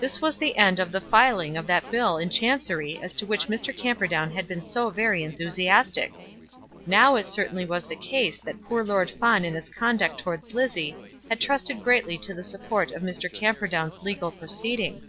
This was the end of the filing of that bill in Chancery as to which Mr. Camperdown had been so very enthusiastic! Now it certainly was the case that poor Lord Fawn in his conduct towards Lizzie had trusted greatly to the support of Mr. Camperdown's legal proceeding.